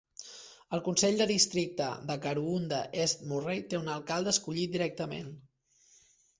El Consell de Districte de Karoonda East Murray té un alcalde escollit directament.